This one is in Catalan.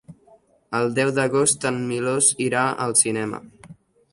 El deu d'agost en Milos irà al cinema.